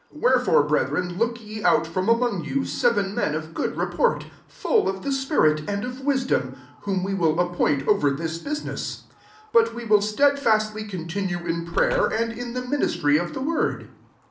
3 Wherefore, brethr^i, look ye out from among you seven men of good report, full of the spirit, and of wisdona, whom we will appoint over this business. 4 But we will sted fastly continue in prayer, and in the ministry of the word.